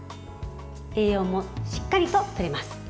栄養もしっかりととれます。